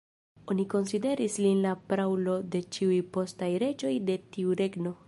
Oni konsideris lin la praulo de ĉiuj postaj reĝoj de tiu regno.